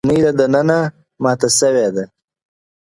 کورنۍ له دننه ماته سوې ده.